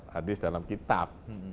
hadis dalam kitab